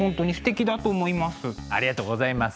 ありがとうございます。